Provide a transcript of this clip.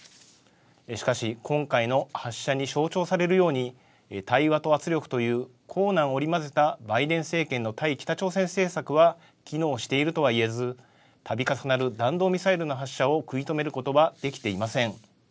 しかし、今回の発射に象徴されるように、対話と圧力という硬軟織り交ぜたバイデン政権の対北朝鮮政策は機能しているとはいえず、たび重なる弾道ミサイルの発射を食い止めることはできていません。